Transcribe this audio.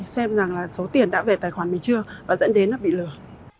xem rằng là số tiền đã về tài khoản mình chưa và dẫn đến là bị lừa